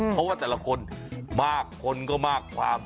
เพราะว่าแต่ละคนมากคนก็มากความ